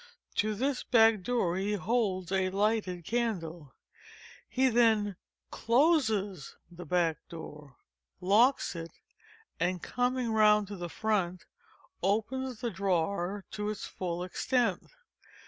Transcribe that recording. To this back door he holds a lighted candle. He then _closes the back door, _locks it, and, coming round to the front, opens the drawer to its full extent.